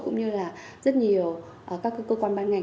cũng như là rất nhiều các cơ quan ban ngành